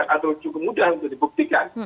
atau cukup mudah untuk dibuktikan